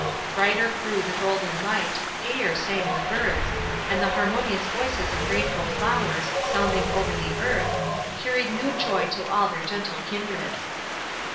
Brighter grew the golden light, gayer sang the birds, and the harmonious voices of grateful flowers, sounding over the earth, carried new joy to all their gentle kindred.